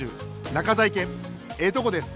中在家ええとこです。